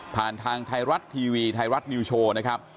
ทางไทยรัฐทีวีไทยรัฐนิวโชว์นะครับ